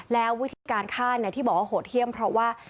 แล้ววิธีการฆ่าที่บอกว่าโหดเยี่ยมเพราะว่า